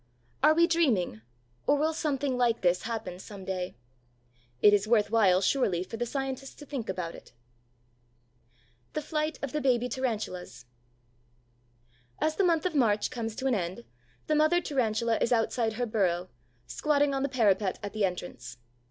Are we dreaming, or will something like this happen some day? It is worth while surely for the scientists to think about it. THE FLIGHT OF THE BABY TARANTULAS As the month of March comes to an end, the mother Tarantula is outside her burrow, squatting on the parapet at the entrance.